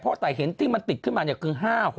พ่อใจเห็นที่มันติดขึ้นมาคือ๕๖๗